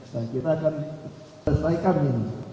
dan kita akan selesaikan ini